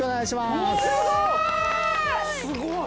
すごい！